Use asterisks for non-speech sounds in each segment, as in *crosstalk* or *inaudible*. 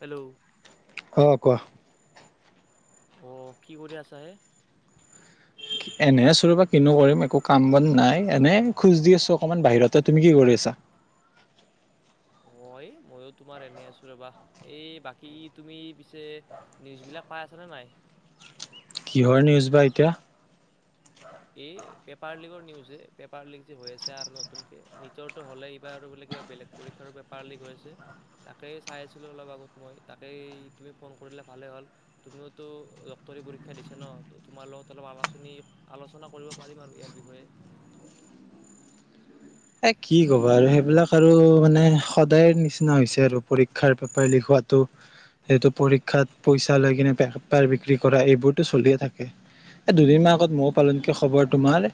Hello? অ', কোৱা? অ', কি কৰি আছা হে? এনে আছোঁ ৰবা কিনো কৰিম একো কাম বন নাই, এনে খোজ দি আছো অকমান বাহিৰতে তুমি কি কৰি আছা? অ', এই ময়ো তোমাৰ এনে আছো ৰবা এই বাকী তুমি পিছে নিউজবিলাক পাই আছানে নাই? কিহৰ নিউজ বা এতিয়া? এই পেপাৰ লীকৰ নিউজ হে পেপাৰ লীক যে হৈ আছে আৰু নতুনকে নিটৰটো হ'লে, এইবাৰ আৰু বোলে কিবা বেলেগ পৰীক্ষাৰো পেপাৰ লিক হৈ আছে। তাকেই চাই আছিলোঁ অলপ আগত মই, তাকেই তুমি ফোন কৰিলা ভালে হ'ল। তুমিওতো ডক্তৰী পৰীক্ষা দিছা ন তোমাৰ লগত অলপ আলোচনী আলোচনা কৰিব পাৰিম আৰু ইয়াৰ বিষয়ে। এ কি ক'বা আৰু সেইবিলাক আৰু মানে সদায়ৰ নিচিনা হৈছে আৰু পৰীক্ষাৰ পেপাৰ লিক হোৱাটো। হেতু পৰীক্ষাত পইচা লৈ কিনে বেপাৰ বিক্ৰী কৰা এইবোৰতটো চলিয়ে থাকে। এ দুদিন মান আগত মইও পালোনেকি খবৰ তোমাৰ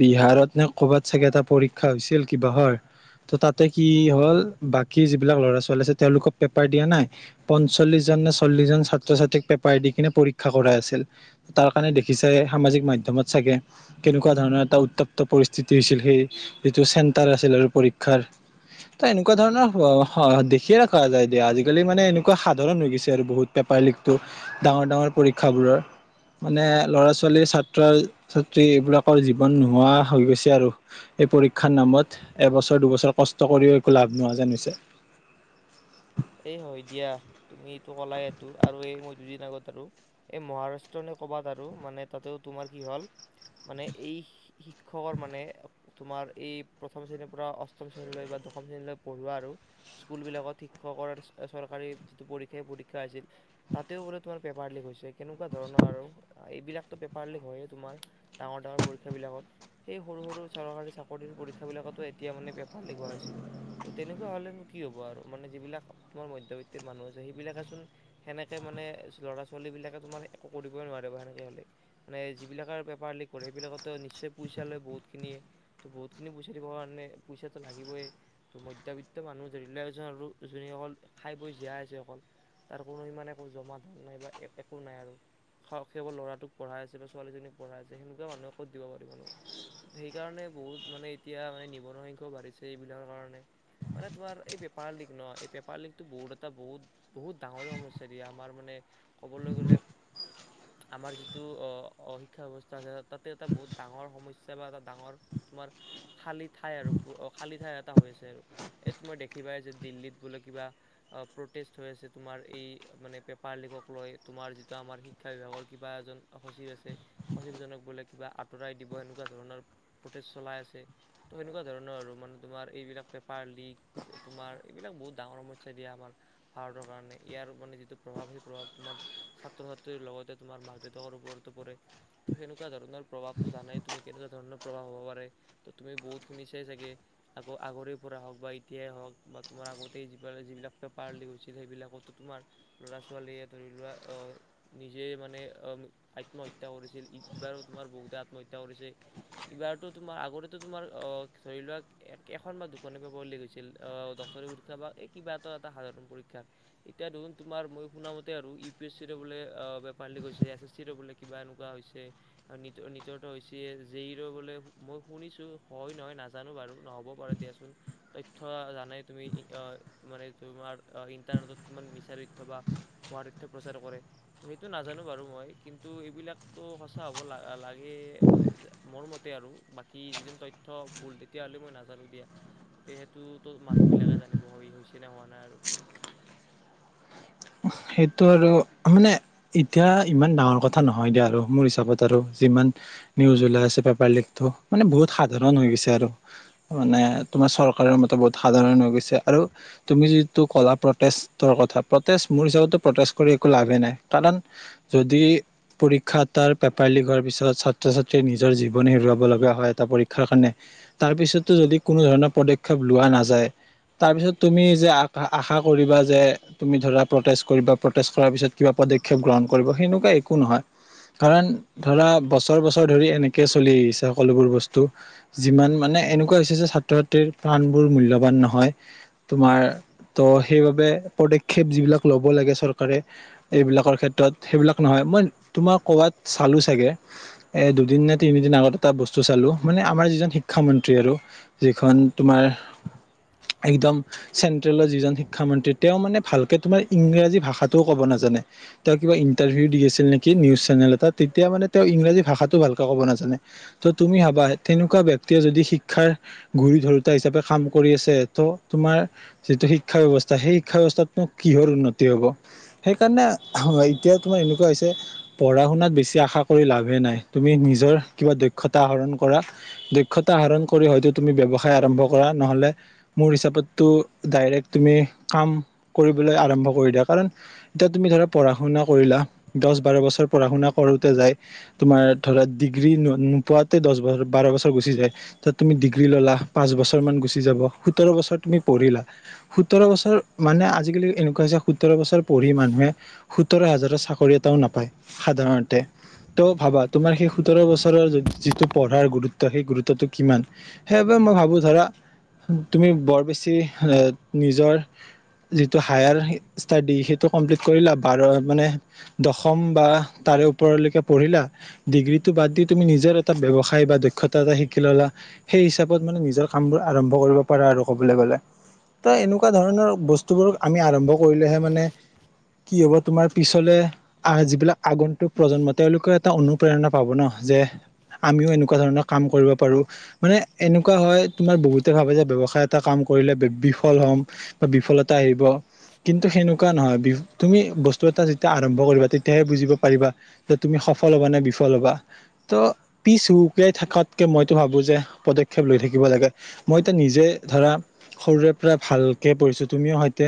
বিহাৰত নে কৰ'বাত চাগে এটা পৰীক্ষা হৈছিল কিবা হয় ত' তাতে কি হ'ল বাকী যিবিলাক ল'ৰা-ছোৱালী আছে তেওঁলোকক পেপাৰ দিয়া নাই। পঞ্চল্লিশজন নে চল্লিশ জন ছাত্ৰ-ছাত্ৰীক পেপাৰ দি কিনে পৰীক্ষা কৰাই আছিল। তাৰ কাৰণে দেখিছাই সামাজিক মাধ্যমত চাগে। কেনেকুৱা ধৰণৰ এটা উত্তাপ্ত পৰিস্থিতি হৈছিল সেই যিটো চেণ্টাৰ আছিল আৰু পৰীক্ষাৰ। ত এনেকুৱা ধৰণৰ দেখিয়ে থকা যায় দিয়া, আজিকালি মানে এনেকুৱা সাধাৰণ হৈ গৈছে আৰু বহুত। পেপাৰ লিকটো ডাঙৰ ডাঙৰ পৰীক্ষাবোৰৰ। মানে ল'ৰা-ছোৱালীৰ, ছাত্ৰ-ছাত্ৰী এইবিলাকৰ জীৱন নোহোৱা হৈ গৈছে আৰু। এই পৰীক্ষাৰ নামত এবছৰ দুবছৰ কষ্ট কৰিও একো লাভ নোহোৱা যেন হৈছে। এই হয় দিয়া, তুমি এইটো কলা এইটো আৰু এই মই দুদিন আগত আৰু এই মহাৰাষ্ট্ৰ নে ক'বাত আৰু মানে তাতেও তোমাৰ কি হ'ল মানে এই শিক্ষকৰ মানে তোমাৰ এই প্ৰথম শ্ৰেণীৰ পৰা অষ্টম শ্ৰেণীলৈ বা দশম শ্ৰেণীলৈ পঢ়োৱা আৰু স্কুলবিলাকত শিক্ষ *unintelligible* চৰকাৰি যিটো পৰিক্ষাই পৰিক্ষাৰ আছিল। তাতেও বোলে, তোমাৰ পেপাৰ লিক হৈছে, কেনেকুৱা ধৰণৰ আৰু এইবিলাকতো পেপাৰ লিক হয়েই তোমাৰ। ডাঙৰ, ডাঙৰ, পৰীক্ষাবিলাকত সেই সৰু, সৰু চৰকাৰী চাকৰিৰ পৰীক্ষাবিলাকতো এতিয়া মানে পেপাৰ লিক হোৱা হৈছে। তেনেকুৱা হ'লেনো কি হ'ব আৰু মানে যিবিলাক তোমাৰ মধ্যবিত্ত মানুহ আছে সেইবিলাকেচোন সেনেকে মানে ল'ৰা-ছোৱালীবিলাকে তোমাৰ একো কৰিবই নোৱাৰিব সেনেকে হ'লে। মানে যিবিলাকে আৰু পেপাৰ লিক কৰে, সেইবিলাকেতো নিশ্চয় পইচা লয় বহুতখিনিয়ে ত, বহুত খিনি‌ পইচা দিব কাৰণে, পইচাটো লাগিবই, ত মধ্যবিত্ত মানুহ *inaudible* *inaudible* যিসকল খাই বৈ জীয়াই আছে অকল। তাৰ কোনো‌ হেই মানে জমা নাইবা একো নাই আৰু। সা, সেইবোৰ লৰাটোক পঢ়াই আছিলো, ছোৱালীজনীক পঢ়িই আছে, সেনে কোৱা মানুহক ক'ত দিব পাৰিবনো। সেইকাৰণে বহুত মানে এতিয়া মানে, নিবনুৱ সংখ্যাও বাঢ়িছে এইবিলাকৰ কাৰণে। মানে তোমাৰ এই পেপাৰ লিক। ন, এই পেপাৰ লিকটো, বহুত এটা বহুত, বহুত ডাঙৰে সমস্যা দিয়া আমাৰ মানে ক'বলৈ গ'লে আমাৰ যিটো অ, শিক্ষা ব্যৱস্থা আছে, তাতে এটা বহুত ডাঙৰ সমস্যা বা এটা ডাঙৰ তোমাৰ খালি ঠাই আৰু ব খালি ঠাই এটা, হৈ আছে আৰু এই তোমাৰ দেখিবাই যে দিল্লীত বোলে, কিবা প্ৰটেষ্ট হৈ আছে, তোমাৰ এই মানে পেপাৰ লিকক লৈ, তোমাৰ যিটো আমাৰ শিক্ষা বিভাগৰ কিবা এজন সচিব আছে, সচিবজনক বোলে কিবা আঁতৰাই দিব, এনেকুৱা ধৰণৰ প্ৰটেষ্ট চলাই আছে। তো, এনেকুৱা ধৰণৰ আৰু মানে তোমাৰ এইবিলাক পেপাৰ লিক, তোমাৰ এইবিলাক বহুত ডাঙৰ সমস্যা দিয়া আমাৰ ভাৰতৰ কাৰণে, ইয়াৰ মানে যিটো প্ৰভাৱ সেই প্ৰভাৱ তোমাৰ ছাত্ৰ-ছাত্ৰীৰ লগতে তোমাৰ মাক-দেউতাকৰ ওপৰতো পৰে। ত, সেনেকুৱা ধৰণৰ প্ৰভাৱটো জানাই তুমি কেনেকুৱা ধৰণৰ প্ৰভাৱ হ'ব পাৰে। ত, তুমি বহুত শুনিছাই চাগে, আকৌ আগৰে পৰা হওঁক বা এতিয়াই হওঁক বা তোমাৰ আগতেই যিবা যিবিলাক, পেপাৰ লিক হৈছিল সেইবিলাকতো তোমাৰ ল'ৰা ছোৱালীয়ে ধৰি লোৱা, অ, নিজে মানে আত্মহত্যা কৰিছিল, এইবাৰো তোমাৰ বহুতে আত্মহত্যা কৰিছে। ইবাৰ তো তোমাৰ, আগতেটো তোমাৰ অ, ধৰি লোৱা এই, এখন, বা দুখনে পাব বুলি কৈছিল। *unintelligible* এতিয়া দেখোন তোমাৰ মই শুনামতে আৰু ইউ, পি, এছ, চি, ৰো বোলে পেপাৰ লিক গৈছে, এছ, এছ, চি, ৰো বোলে কিবা এনেকুৱা হৈছে। আৰু নীটৰ, নীটৰটো হৈছে জি, ইউৰো বোলে মই শুনিছো হয় নহয় নাজ জানো বাৰু নহ'ব পাৰে দিয়াচোন তথ্য জান তুমি মানে তোমাৰ ইণ্টাৰনেটত কিমান মিছা তথ্য বা ভুৱা তথ্য প্ৰচাৰ কৰে। সেইটো নাজানো বাৰু মই, কিন্তু এইবিলাকতো সঁচা হ'ব লা- লাগে মই মোৰ মতে আৰু বাকী যিজন তথ্য ভুল তেতিয়াহ'লে মই নাজানো দিয়া। তে, সেইটোতো মানুহবিলাকে জানিব হৈছে নে হোৱা নাই আৰু। সেইটো আৰু মানে এতিয়া ইমান ডাঙৰ কথা নহয় দিয়া আৰু মোৰ হিচাপত আৰু যিমান নিউজ ওলাই আছে, পেপাৰ লিকটো মানে বহুত সাধাৰণ হৈ গৈছে আৰু। মানে, তোমাৰ চৰকাৰৰ মতে ব সাধাৰণ হৈ গৈছে আৰু তুমি যিটো ক'লা প্ৰটেষ্টৰ কথা প্ৰটেষ্ট মোৰ হিচাপতো প্ৰটেষ্ট কৰি একো লাভেই নাই কাৰণ যদি পৰীক্ষা এটাৰ পেপাৰ লিক হোৱাৰ পিছত ছাত্ৰ-ছাত্ৰীয়ে নিজৰ জীৱন হেৰুৱাব লগা হয় এটা পৰীক্ষাৰ কাৰণে তাৰ পিছতো যদি কোনো ধৰণৰ পদক্ষেপ লোৱা নাযায় তাৰপিছত তুমি যে আ আশা কৰিবা যে তুমি ধৰা প্ৰটেষ্ট কৰিবা প্ৰটেষ্ট কৰাৰ পিছত কিবা পদক্ষেপ গ্ৰহণ কৰিব সেনেকুৱা একো নহয় কাৰণ ধৰা বছৰ বছৰ ধৰি এনেকেই চলি আহিছে সকলোবোৰ বস্তু যিমান মানে এনেকুৱা হৈছে যে ছাত্ৰ ছাত্ৰীৰ প্ৰাণবোৰ মূল্যবান নহয়। তোমাৰ ত' সেইবাবে পদক্ষেপ যিবিলাক ল'ব লাগে চৰকাৰে এইবিলাকৰ ক্ষেত্ৰত সেইবিলাক নহয় মই তোমাৰ ক'বাত চালোঁ চাগে। এ', দুদিন নে তিনিদিন আগতে এটা বস্তু চালো মানে আমাৰ যিজন শিক্ষামন্ত্ৰী আৰু যিখন তোমাৰ একদম চেন্ট্ৰেলৰ যিজন শিক্ষামন্ত্ৰী তেওঁ মানে ভালকে তোমাৰ ইংৰাজী ভাষাটোও ক'ব নাজানে। তেওঁ কিবা ইণ্টাৰভিউ দি আছিল নেকি নিউজ চেনেল এটাত তেতিয়া মানে তেওঁ ইংৰাজী ভাষাটো ভালকে ক'ব নাজানে। ত' তুমি ভাবা তেনেকুৱা ব্যক্তিয়ে যদি শিক্ষাৰ গুৰি ধৰোতা হিচাপে কাম কৰি আছে ত' তোমাৰ যিটো শিক্ষা ব্যৱস্থা সেই শিক্ষা ব্যৱস্থাতনো কিহৰ উন্নতি হ'ব। সেইকাৰণে এতিয়া তোমাৰ এনেকুৱা হৈছে পঢ়া -শুনাত বেছি আশা কৰি লাভে নাই তুমি নিজৰ কিবা দক্ষতা আহৰণ কৰা। দক্ষতা আহৰণ কৰি হয়তো তুমি ব্যৱসায় আৰম্ভ কৰা নহ'লে মোৰ হিচাপততো ডাইৰেক্ট তুমি কাম কৰিবলৈ আৰম্ভ কৰি দিয়া কাৰণ এতিয়া তুমি ধৰা পঢ়া -শুনা কৰিলা দহ -বাৰ বছৰ পঢ়া -শুনা কৰোঁতে যায়। তোমাৰ ধৰা ডিগ্ৰী ন-নোপোৱাতে দহ বছৰ বাৰ বছৰ গুচি যায়। তাত তুমি ডিগ্ৰী ল'লা পাঁচ বছৰমান গুচি যাব সোতৰ বছৰ তুমি পঢ়িলা। সোতৰ বছৰ মানে আজিকালি এনেকুৱা হৈছে সোতৰ বছৰ পঢ়ি মানুহে সোতৰ হাজাৰৰ চাকৰি এটাও নাপায় সাধাৰণতে। তো ভাবা তোমাৰ সেই সোতৰ বছৰৰ যিটো পঢ়াৰ গুৰুত্ব সেই গুৰুত্বটো কিমান? সেইবাবে মই ভাবোঁ ধৰা তুমি বৰ বেছি নিজৰ যিটো হায়াৰ ষ্টাডি সেইটো কমপ্লিট কৰিলা বাৰ মানে দশম বা তাৰে ওপৰলৈকে পঢ়িলা। ডিগ্ৰীটো বাদ দি তুমি নিজৰ এটা ব্যৱসায় বা দক্ষতা এটা শিকি ল'লা। সেই হিচাপত মানে নিজৰ কাম বোৰ আৰম্ভ কৰিব পাৰা আৰু ক'বলৈ গ'লে ত এনেকুৱা ধৰণৰ বস্তু টোবোৰ আমি আৰম্ভ কৰিলেহে মানে কি হ'ব তোমাৰ পিছলে আহ, যিবিলাক আগন্তুক প্ৰজন্ম তেওঁলোকে এটা অনুপ্ৰেৰণা পাব ন যে আমিও এনেকুৱা ধৰণৰ কাম কৰিব পাৰো। মানে এনেকুৱা হয় তোমাৰ বহুতে ভাবে যে, ব্যৱসায় এটা কাম কৰিলে বি-বিফল হ'ম বা বিফলত তা আহিব। কিন্তু সেনেকুৱা নহয়, তুমি বস্তু এটা যেতিয়া আৰম্ভ কৰিবা তেতিয়াহে বুজিব পাৰিবা। যে তুমি সফল হ'বা নে বিফল হ'বা। ত' পিছ হুকিয়াই থকাতকে মইতো ভাবো যে পদক্ষেপ লৈ থাকিব লাগে। মইতো নিজে ধৰা সৰুৰে পৰা ভালকে পঢ়িছো তুমিও স'তে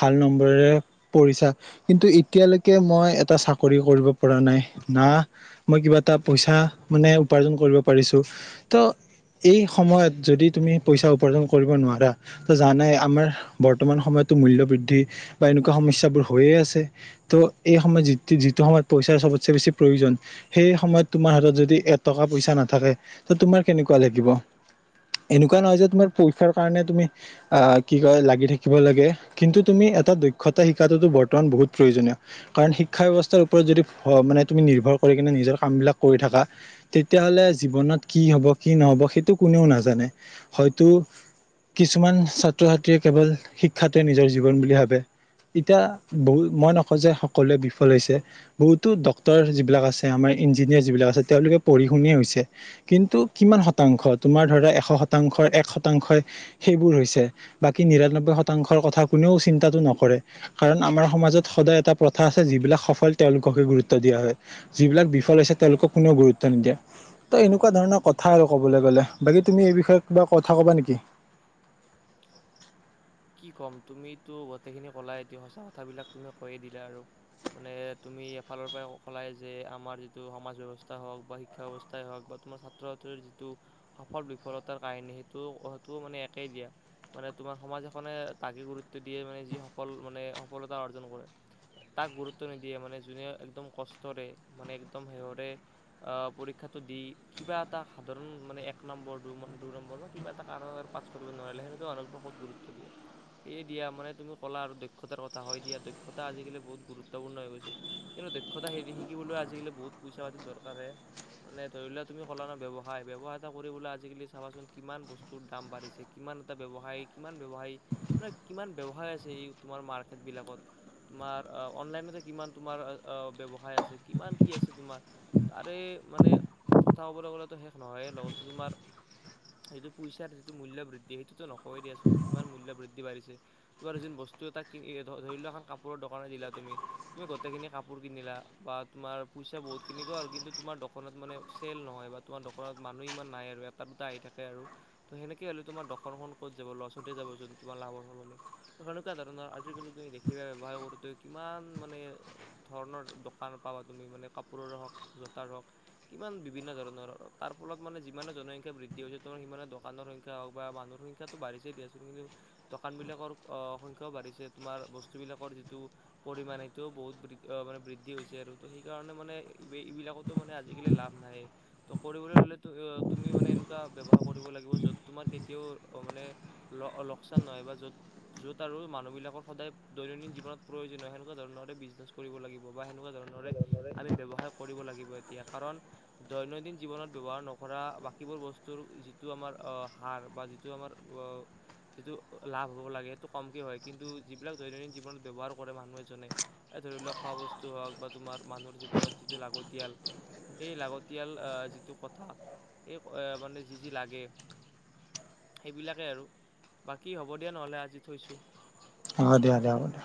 ভাল নম্বৰেৰে পঢ়িছা কিন্তু এতিয়ালৈকে মই এটা চাকৰিও কৰিব পৰা নাই না মই কিবা এটা পইচা মানে উপাৰ্জন কৰিব পাৰিছো ত' এই সময়ত যদি তুমি পইচা উপাৰ্জন কৰিব নোৱাৰা ত' জানাই আমাৰ বৰ্তমান সময়তো মূল্যবৃদ্ধি বা এনেকুৱা সমস্যাবোৰ হৈয়ে আছে। ত' এই সময়ত যি যিটো সময়ত পইচাৰ চবতচে বেছি প্ৰয়োজন। সেই সময়ত তোমাৰ হাতত যদি এটকা পইচা নাথাকে তে তোমাৰ কেনেকুৱা লাগিব? এনেকুৱা নহয় যে তুমাৰ পৰীক্ষাৰ কাৰণে তুমি অ', কি কয় লাগি থাকিব লাগে কিন্তু তুমি এটা দক্ষতা শিকাটোতো বৰ্তমান বহুত প্ৰয়োজনীয়। কাৰণ শিক্ষা ব্যৱস্থাৰ ওপৰত যদি মানে তুমি নিৰ্ভৰ কৰি কিনে নিজৰ কামবিলাক কৰি থাকা। তেতিয়াহ'লে জীৱনত কি হ'ব কি নহ'ব সেইটো কোনেও নাজানে, হয়তো কিছুমান ছাত্ৰ ছাত্ৰীয়ে কেৱল শিক্ষাটোৱে নিজৰ জীৱন বুলি ভাবে। এতিয়া বহু মই নকওঁ যে সকলোৱে বিফল হৈছে। বহুতো ডক্তৰ যিবিলাক আছে আমাৰ ইঞ্জিনিয়াৰ যিবিলাক আছে তেওঁলোকে পঢ়ি শুনিয়ে হৈছে। কিন্তু কিমান শতাংশ তোমাৰ ধৰা এশ শতাংশৰ এক শতাংশই সেইবোৰ হৈছে, বাকী নিৰানব্বৈ শতাংশৰ কথা কোনেও চিন্তাটো নকৰে। কাৰণ আমাৰ সমাজত সদায় এটা প্ৰথা আছে যিবিলাক সফল তেওঁলোককে গুৰুত্ব দিয়া হয়। যিবিলাক বিফল আছে তেওঁলোকক কোনেও গুৰুত্ব নিদিয়ে। ত' এনেকুৱা ধৰণৰ কথা আৰু ক'বলৈ গ'লে বাকী তুমি এই বিষয়ে কিবা কথা ক'বা নেকি? কি ক'ম তুমিতো গোটেইখিনি ক'লাই এয়া সঁচা কথাবিলাক তুমি কৈয়ে দিলা আৰু। মানে তুমি এফালৰ পৰাই কলাই যে আমাৰ যিটো সমাজ ব্যৱস্থা হওক বা শিক্ষা ব্যৱস্থাই হওক বা তোমাৰ ছাত্ৰ ছাত্ৰীৰ যিটো সফল বিফলতাৰ কাহিনী সেইটো সেইটো মানে একেই দিয়া। মানে তোমাৰ সমাজ এখনে তাকে গুৰুত্ব দিয়ে মানে যি সফল মানে সফলতা অৰ্জন কৰে। তাক গুৰুত্ব নিদিয়ে মানে যোনে একদম কষ্টৰে মানে একদম সিহৰে পৰীক্ষাটো দি কিবা এটা সাধাৰণ মানে এক নম্বৰ দুই নম্বৰ বা কিবা এটা কাৰণত, আৰু পাছ কৰিব নোৱাৰিলে, সেনেকুৱা মানুহকনো ক'ত গুৰুত্ব দিয়ে। সেয়ে দিয়া মানে তুমি কলা আৰু দক্ষতাৰ কথা হয় দিয়া দক্ষতা আজিকালি বহুত গুৰুত্বপূৰ্ণ হৈ গৈছে। কিন্তু দক্ষতা হেৰি শিকিবলৈ আজিকালি বহুত পইচা-পাতিৰ দৰকা হে। মানে ধৰি লোৱা তুমি ক'লা ন' ব ব্যয়সায়, ব্যয়ৱসায় এটা কৰিবলে আজিকালি চাবাচোন কিমান বস্তু তোৰ দাম বাঢ়িছে কিমান এটা ব্যৱসায়িক কিমান ব্যৱসায় মানে কিমান ব্যৱসায় আছে এই তোমাৰ মাৰ্কেটবিলাকত। তোমাৰ অনলাইনতে কিমান তোমাৰ ব্যৱসায় আছে কিমান কি আছে তোমাৰ। তাৰে মানে কথা ক'বলৈ গ'লেতো শেষ নহয়েই, লগতে তোমাৰ সেইটো পইচাৰ যিটো মূল্য বৃদ্ধি সেইটোতো নকয়েই দিয়াচোন কিমান মূল্য বৃদ্ধি বাঢ়িছে। কিবা যোন বস্তু এটা কিনি ধৰি লোৱা এখন কাপোৰৰ দোকানে দিলা তুমি। তুমি গোটেইখিনি কাপোৰ কিনিলা বা তুমাৰ পইচা বহুত খিনি গ'ল কিন্তু তোমাৰ দোকানত মানে চেল নহয় বা তোমাৰ দোকানত মানুহ ইমান নাই আৰু এটা দুটা আহি থাকে আৰু ত' সেনেকে হ'লে তোমাৰ দোকৰখন ক'ত যাব, লছ লোছতে যাব যোনতো তোমাৰ লাভৰ সলনি। সেনেকুৱা ধৰণৰ আজিকালি তুমি দেখিবা ব্যৱসায় কৰোঁতে কিমান মানে ধৰণৰ দোকান পাবা তুমি মানে কাপোৰৰে হওক, জোতাৰ হওক। কিমান বিভিন্ন ধৰণৰ আৰু তাৰ ফলত মানে যিমানে জনসংখ্যা বৃদ্ধি হৈছে, তোমাৰ সিমানে দোকানৰ সংখ্যা হওক বা মানুহৰ সংখ্যা বাঢ়িছেই দিয়াচোন কিন্তু, দোকানবিলাকৰ সংখ্যাও বাঢ়িছে তোমাৰ বস্তুবিলাকৰ যিটো পৰিমাণ সেইটোও বহুত মানে বৃদ্ধি হৈছে আৰু ত' সেইকাৰণে মানে এই-এইবিলাকত তো মানে আজিকালি লাভ নাই। ত' কৰিবলৈ হলে তুমি মানে এনেকুৱা ব্যৱসায় কৰিব লাগিব য'ত তোমাৰ কেতিয়াও মানে লোকচান নহয় বা য'ত য'ত আৰু মানুহবিলাক সদায় দৈনন্দিন জীৱনত প্ৰয়োজনীয় হয়, সেনেকুৱা ধৰণৰে বিজনেছ কৰিব লাগিব বা সেনেকুৱা ধৰণৰে আমি ব্যৱসায় কৰিব লাগিব, এতিয়া কাৰণ দৈনন্দিন জীৱনত ব্যয়ৱহাৰ নকৰা বাকীবোৰ বস্তুৰ যিটো আমাৰ সাৰ বা যিটো যিটো আমাৰ অঁ, যিটো লাভ হ'ব লাগে সেইটো কমকৈ হয়। কিন্তু যিবিলাক দৈনন্দিন জীৱনত ব্যৱহাৰ কৰে মানুহ এজনে, এ ধৰি লওক খোৱা বস্তু হওক, বা তোমাৰ মানুহৰ জীৱনত যিটো লাগতিয়াল। সেই লাগতিয়াল যিটো কথা, সেই মানে যি যি লাগে, সেইবিলাকে আৰু। বাকী হ'ব দিয়া নহ'লে, আজি থৈছোঁ। অ দে দে হ'ব দে।